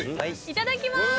いただきます！